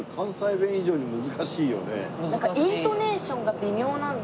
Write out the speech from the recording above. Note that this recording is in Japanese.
なんかイントネーションが微妙なので。